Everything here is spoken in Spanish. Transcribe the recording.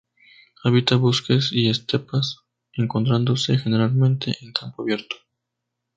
Habita bosques y estepas, encontrándose generalmente en campo abierto.